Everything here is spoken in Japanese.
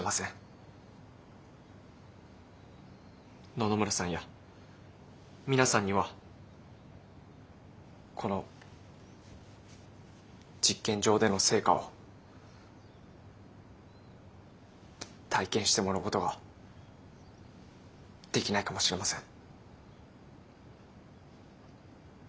野々村さんや皆さんにはこの実験場での成果を体験してもらうことができないかもしれません。